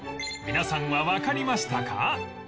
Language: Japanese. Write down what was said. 皆さんはわかりましたか？